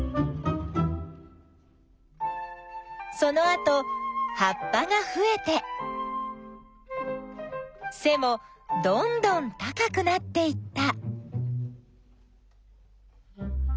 そのあとはっぱがふえてせもどんどん高くなっていった。